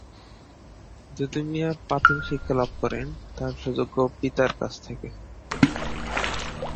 দুদু মিয়া প্রাথমিক শিক্ষা লাভ করেন তার সুযোগ্য পিতার কাছ থেকে।